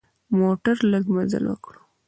موټر لږ مزل وکړي.